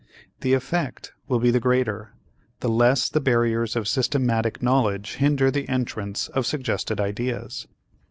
The effect will be the greater, the less the barriers of systematic knowledge hinder the entrance of suggested ideas.